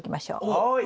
はい。